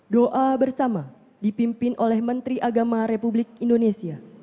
doa bersama dipimpin oleh menteri agama republik indonesia